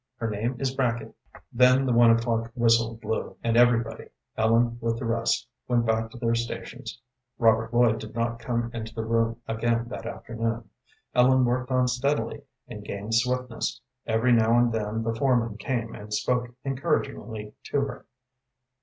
Her name is Brackett." Then the one o'clock whistle blew, and everybody, Ellen with the rest, went back to their stations. Robert Lloyd did not come into the room again that afternoon. Ellen worked on steadily, and gained swiftness. Every now and then the foreman came and spoke encouragingly to her.